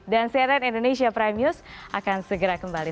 dan cnn indonesia prime news akan segera kembali